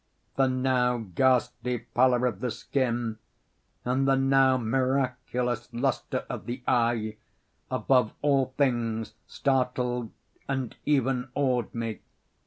The now ghastly pallor of the skin, and the now miraculous lustre of the eye, above all things startled and even awed me.